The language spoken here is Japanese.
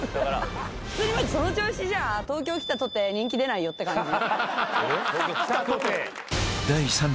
その調子じゃ東京来たとて人気出ないよって感じ。